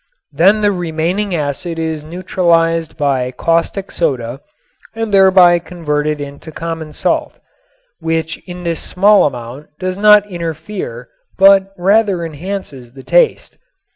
Then the remaining acid is neutralized by caustic soda, and thereby converted into common salt, which in this small amount does not interfere but rather enhances the taste.